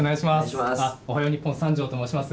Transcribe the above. おはよう日本、三條と申します。